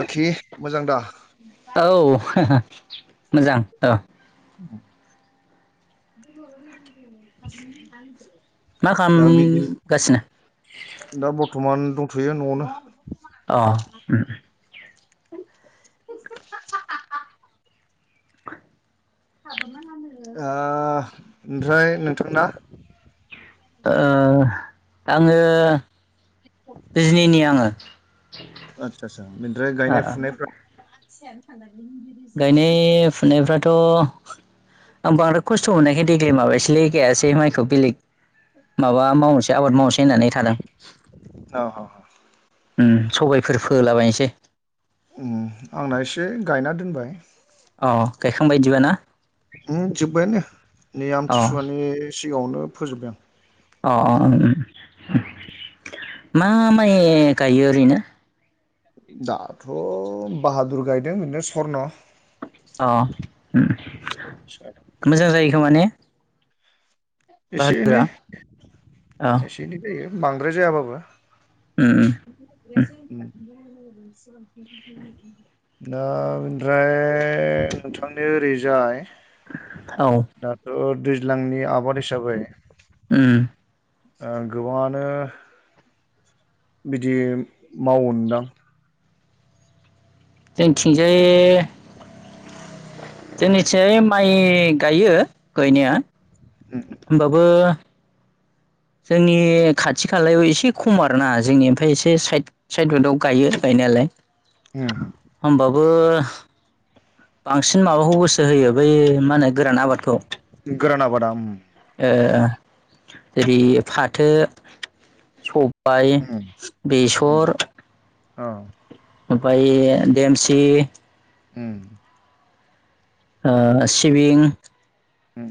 बाखि मोजां दा? औ मोजां म मा न दा बिदि खालामगासिनो दा बर्थमान दंथयो नआवनो अह उम [unintelligible] [unintelligible] ओ ओमफ्राय नोंथांना ओ आङो बिजनिनि आङो आदसा आदसा ओमफ्राय ओ गायनाय [unintelligible] गायनाय फुनायफ्राथ आं बांद्राय खस्थ मोननायखाय देग्लाय माबायासलै गायासै माइखौ बेलेग माबा मावनोसै आबाद मावनोसै होननानै थादों औ औ ओं सबायफोर फोलाबायनोसै ओम आंना एसे गायना दोनबाय अ गायखांबाय इदिबाना? ओम जोब्बायानो नै अ आमथिसुवानि सिगाङावनो फोजोबबाय आं अ उम उम उम मा माइ गायो ओरैनो? दाथ बाहादुर गायदों बिदिनो स्वर्न अ हम उम मोजां जायो खोमाने? एसे एनै औ एसे एनै जायो बांद्राय जायाबाबो उम उम [unintelligible] ओमफ्राय नोंथांनि ओरैजाय औ दाथ दै ज्लांनि आबाद हिसाबै उम ओ गोबाङानो बिदि मावोनदां जोंनि थिंजाय जोंनि थिङै माइ गायो गायनाया। उम होमबाबो जोंनि खाथि खालायाव एसे खम आरो ना जोंनि ओमफाय एसे साइद साइद आव गायो ओमफ्राय। नायालाय उम बो बांसिन माबाखौ गोसो होयो बै मा होनो। गोरान आबादखौ। बादाम ओ जेरै फाथो सब बाइ उम उम बेसर। औ ओमफ्राय देमसि। उम ओ सिबिं उम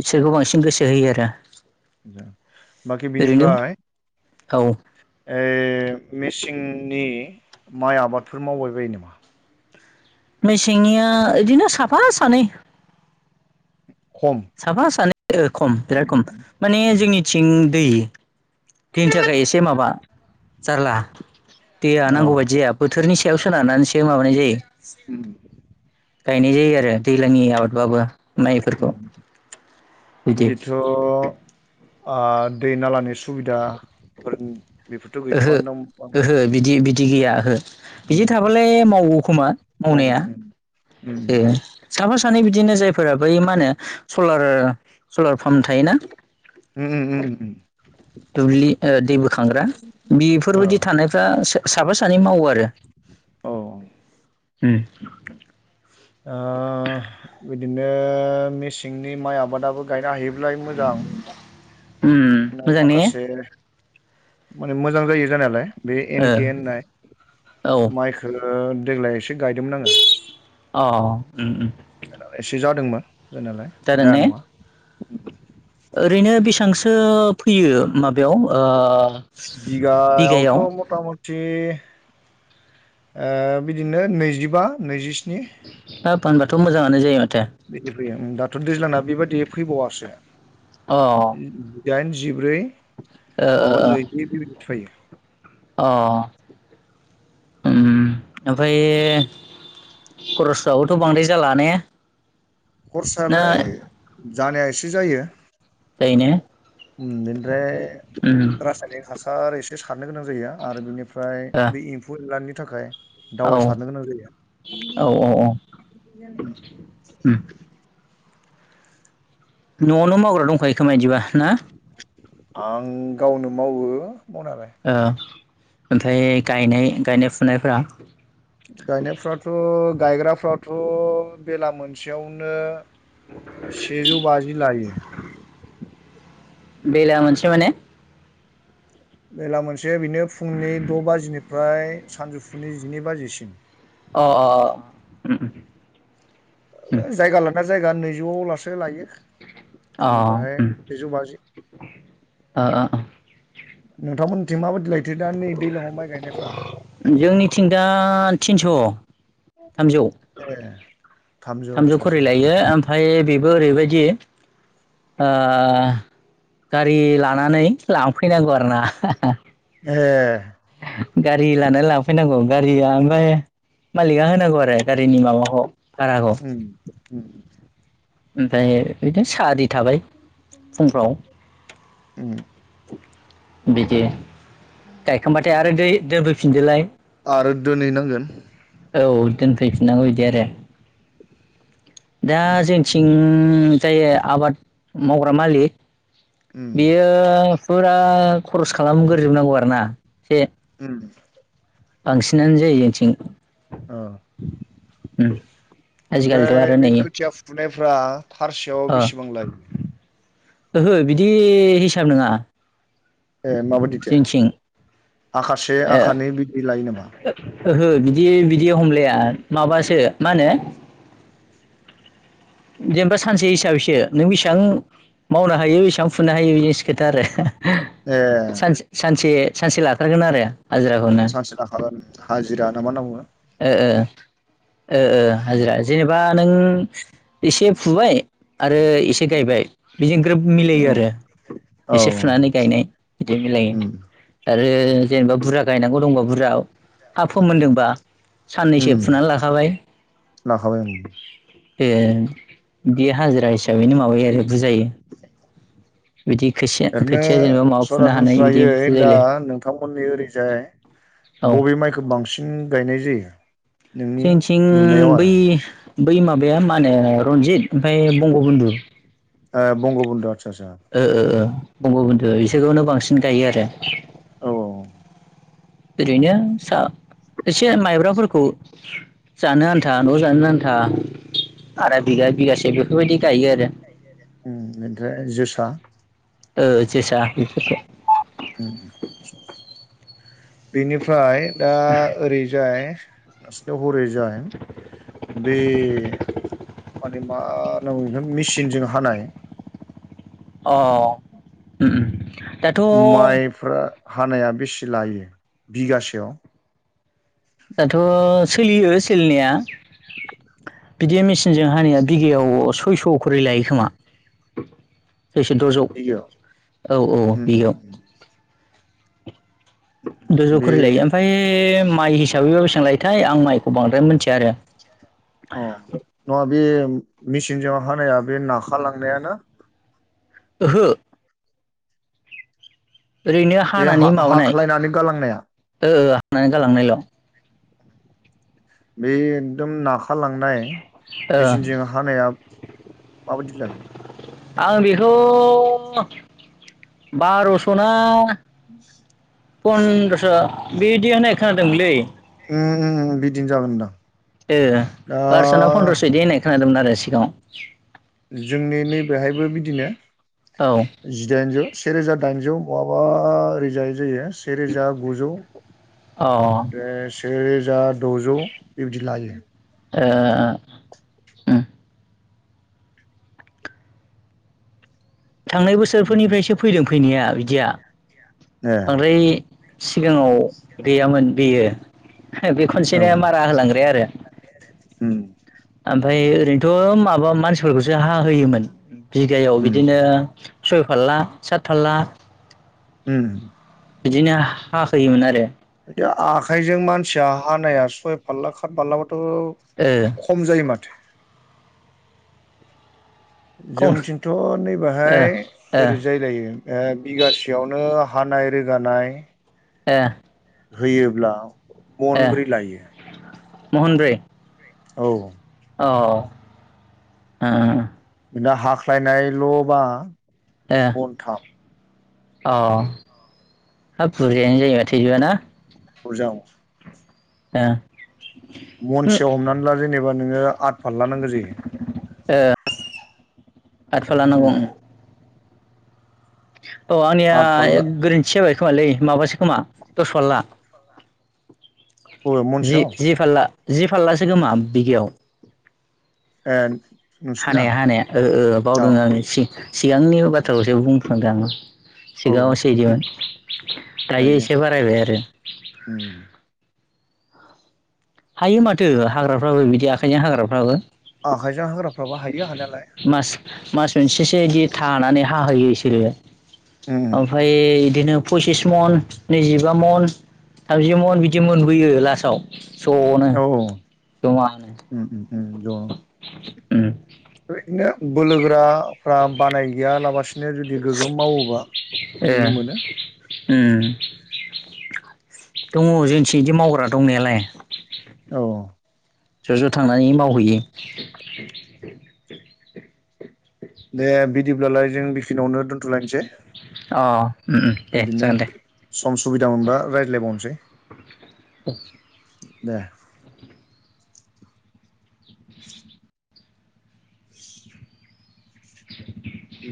बिसोरखौ बांसिन गोसो होयो आरो। बाखि ओरैनो बिनिफ्राय औ ए ए मेसिंनि माइ आबादफोर मावबाय बायो नामा। मेसेंनिया बिदिनो साफा सानै। खम साफा सानै खम बिराद खम माने जोंनिथिं दै। दैनि थाखाय एसे माबा जारला दैया अ नांगौबायदिया बोथोरनि । खेवसोनारनैसो माबानाय जायो। उम गायनाय जायो आरो दैज्लांनि आबादबाबो। माइफोरखौ बिदि बिदिथ आ दै नालानि सुबिदा फोर बेफोरथ ओहो गैथआनो दा बांद्राय। ओहो बिदि बिदि गैया ओहो। बिदि उम थाबालाय मावगौ खोमा मावो मावनाया उम उम ए साफा सा सानै बिदिनो जायफोरा बै मा होनो सलार सलार पाम्प थायोना। उम उम उम दुब्लि ओ दै बोखांग्रा औ बेफोरबायदि थानायफ्रा सा साफा सानै मावो आरो। औ उम ओ बिदिनो मेसेंनि माइ आबादाबो। गायनो हायोब्लाय मोजां। उम मोजां ने। माखासे माने मोजां जायो जानायालाय बे एनके ओ होननाय औ माइखो। ओ देग्लाय एसे गायदोंमोन आङो अ उम उम एसे जा दोंमोन जानाालाय जादों जाया ने नङा। ओरैनो बेसांसो। फैयो माबायाव ओ बिगायावथ' बिगायाव। मथा मथि ओ बिदिनो नैजिबा नैजिस्नि। हा फानबाथ मोजाङानो जायो। माथो बिदि फैयो उम दाथ दैज्लांना बिबादि फैबावासो। अ दाइन जिब्रै ओ ओ मङाबा नैदनि बिफायो। अ उम ओमफाय खरसबाबोथ बांद्राय जाला ने। ना खरसायालाय जानाया एसे जायो। जायो ने उम बेनिफ्राय उम रासायनिक हासार एसे सारनो गोनां जायो आरो बेनिफ्रा मफ्राय ओ बे एम्फौ एनलानि थाखाय औ दावबायसारनो गोनां जायो। औ औ ओम। उम न'आवनो मावग्रा दंखायो खोमाय इदिबा ना? आं गावनो मावो। मावनायालाय ओमफ्राय गायनाय गायनाय फुनायफ्रा गायनायफ्राथ' गायग्राफ्राथ' बेला मोनसेयावनो सेजौ बाजि लायो बेला मोनसे माने बेला मोनसे बेनो फुंनि द' बाजिनिफ्राय सानजौफुनि जिनै बाजिसिम अ अ उम उम जायगा लाना जायगा नैजौ लासो लायो अ जोंनि याहाय उम थजौ बाजि ओ ओ नोंथांमोनथिं माबायदि लायथो दा नै दैज्लाङाव माइ गायनायफ्रा जोंनिथिंदा थिनस' थामजौ ए थामजौ आदसा खरि आदसा लायो ओमफ्राय बे ओरैबायदि ओ गारि लानानै लांफैनांगौ आरोना ए गारि लानानै लांफैनांगौ गारिया ओमफाय मालिका होनांगौ आरो गारिनि माबा ख उम। ओमफाय उम बिदि औ गायखांबाथाय आरो दै दोनफैफिनदोलाय आरो दोनहैनांगोन औ दोनफैफिननांगौ बिदि आरो दा जोंथिं जायो आबाद मावग्रा मालि उम बेयो फुरा खरस खालामगोरजोबनांगौ आरोना बे उम बांसिनानो जायो जोंनिथिं औ। आजिखालिथ' ओमफ्राय आरो बे नै खोथिया फुनायफ्रा फारसेयाव अ बेसेबां लायो ओहो बिदि हिसाब नङा ए माबायदिथो आखासे ए आखानै बिदि लायो नामा ओहो बिदि बिदियाव लाया माबासो मा होनो जेनेबा सानसे हिसाबैसो नों बेसां मावनो हायो इसां फुनो हायो इनिसो खोथा आरो ए सानसे सानसे सानसे लाथारगोन आरो हाजिराखौनो सानसे लाखागोन हाजिरा नामा होनना‌ बुंङो ओ ओ ओ ओ हाजिरा जेनेबा नों एसे फुबाय आरो एसे गायबाय बेजों ग्रोब मिलायो बुङो आरो औ एसे फुनानै गायनाय बिदिहाय मिलायो। उम आरो जेनेबा बुरजा गायनांगौ दंबा बुरजा हा फोमोनदोंबा। उम साननैसो फुना लाखाबाय लाखाबाय आं बियो बियो हाजिरा हिसाबैनो माबायो आरो बुजायो बिदि खोसिया ओरैनो खोथिया जेनेबा माबा फुनो हानाय बिदि सरासनस्रायै दा बुजाययो नोंथांमोननि ओरैजाय [inaudible] बबे माइखो बांसिन गायनाय जायो? नोंनि जोंनिथिं नुनायाव बै आरो बै माबाया मा होनो रन्जित। ओमफाय बंगबन्धु ओ बंगबन्धु आदसा आदसा ओ ओ ओ। बंगबन्धु इसोरखौनो बांसिन गायो आरो। औ ओरैनो सा एसे माइब्राफोरखौ जानो आन्था न'आव जानो आन्था आदा बिगा बिगासे बेफोरबायदि गायो आरो। उम एमफ्राय जोसा? ओ जोसा बेफोरखौ। उम बेनिफ्राय दा ओरैजाय नोंसिनाव हरै जाय बे माने मा होनांगौ बेखौ मिचिनजों हानाय अ उम उम दाथ' माइफ्रा हानाया बेसे लायो बिगासेयाव? दाथ' सोलियो सोलिनाया। बिदिया मिचिनजों हानाया बिगायाव सयस' खरै लायो खोमा। सयस' दजौ बिगायाव औ औ उम बिगायाव। उम दजौ बे खरि लायो ओमफाय माइ हिसाबैबा बेसेबां लायोथाय आं माइखौ बांद्राय मिनथिया आरो। अ नङा बे मिचिनजों हानाया बे नाखालांनाया ना? ओहो ओरैनो बे हानानै हा माबानाय हाख्लायनानै गालांनाया ओ हानानै गालांनायल'। बे एकदम ना खा लांनाय ओ मेचिनजों हानाया माबायदि जायो? आं बेखौ बार'सना [inaudible] बिदि होननाय खोनादोंमोनलै उम उम उम बिदिनो जागोनदां। ओ दा बार'सना फन्द्रस' इदि होननाय खोनादोंमोन आरो सिगाङाव। जोंनि नैबेहायबो बिदिनो औ जिदाइनजौ से रोजा दाइनजौ। बहाबा ओरैजाय जायो से रोजा गुजौ अ ओ दे से जा दजौ बेबायदि लायो। ओ उम। थांनाय बोसोर फोरनि फ्रायसो फैदों फैनाया बिदिया ए बांद्राय सिगाङाव गैयामोन बेयो। हो बे औ खनसेनो उम मारा होलांग्राया आरो। उम फाय ओरैनोथ' माबा मानसिफोरखौसो हाहोयोमोन बिगायाव बिदिनो सयफाल्ला सातफाल्ला उम बिदिनो हा होयोमोन आरो। दि आखाइजों मानसिया हानाया सय फाल्ला खात फाल्ला बा थ' ओ खम जायो माथो? खम जोंनिथिंथ' नैबाहाय ओ ओ ओरै जायलायो ओ बिगासेयावनो हानाय रोगानाय ए होयोब्ला मनब्रै लायो। महनब्रै? औ औ ओम दा हाख्लायनायल'बा मन्थाम। अ हाब बुरजायानो जायो माथो इदिबा ना? बुरजा ओं। [unintelligible] ओ मनसेयाव हमनानै ला जेनेबा नोङो आट फाल्ला नांगो जायो। ओ आतफाल्ला नांगौ ओम औ आंनिया आद फारला गोरोन्थि जाबाय खोमालै माबासो खोमा दस फाल्ला बबे जि महनसेयाव जि फालला जि फाललासो खोमा बिगायाव ए नोंसिना हानाया हानाया ओ ओ औ बावदों आङो सि सिगांनि बाथ्राखौसो बुंफ्लांदों आङो। सिगाङाव औ एसैदिमोन दायो जायो एसे बारायबाय आरो उम हायो माथो हाग्राफ्राबो बिदि आखाइजों हाग्राफ्राबो आखाइजों हाग्राफ्राबो हायो हानायालाय मास मास मोनसेसो बिदि थानानै हाहोयो। इसोरो उम ओमफ्राय बिदिनो पसिस मन नैजिबा मन थामजि मन बिदि मोनबोयो लासाव। ज'नो औ औ जमानो उम उम दं उम इफोरबादिनो बोलोगोराफ्रा बानाय गैया लाबासि नो जुदि गोग्गोमावोबा ए बिदिनो मोनो। उम दङ जोंथि बिदि मावग्रा दंनायालाय औ ज' ज' थांनानै मावहैयो दे बिदिब्लालाय जों बेखिनियावनो दोन्थ'लायनोसै। अ उम दे बिदिनो जागोन दे सम सुबिदा मोनबा रायज्लायबावनोसै। [unintelligible] दे [inaudible]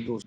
दस